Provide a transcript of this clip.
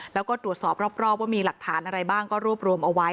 แล้วก็ตรวจสอบรอบว่ามีหลักฐานอะไรบ้างก็รวบรวมเอาไว้